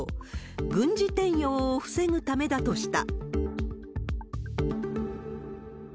軍事転用を防ぐためだとした。